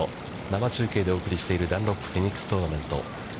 生中継でお送りしているダンロップフェニックストーナメント。